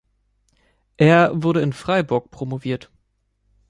Er wurde in Freiburg promoviert.